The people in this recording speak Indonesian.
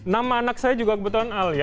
nama anak saya juga kebetulan alia